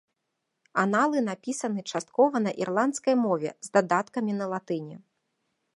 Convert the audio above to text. Аналы напісаны часткова на ірландскай мове з дадаткамі на латыні.